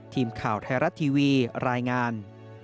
ทีมข่าวไทยรัฐทีวีรายงาน